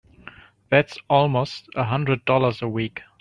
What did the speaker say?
That's almost a hundred dollars a week!